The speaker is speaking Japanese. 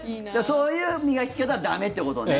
そういう磨き方は駄目ってことね。